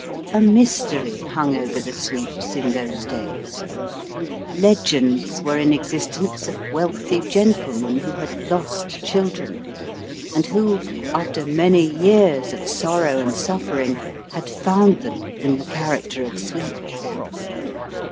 A mystery hung over the sweeps in those days. Legends were in existence of wealthy gentlemen who had lost children, and who, after many years of sorrow and suffering, had found them in the character of sweeps.